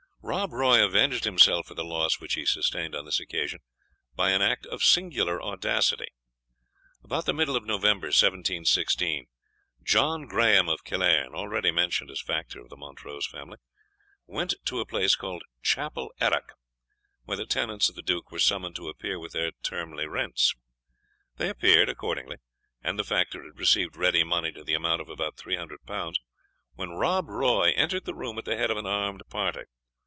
Rob Roy avenged himself for the loss which he sustained on this occasion by an act of singular audacity. About the middle of November 1716, John Graham of Killearn, already mentioned as factor of the Montrose family, went to a place called Chapel Errock, where the tenants of the Duke were summoned to appear with their termly rents. They appeared accordingly, and the factor had received ready money to the amount of about L300, when Rob Roy entered the room at the head of an armed party.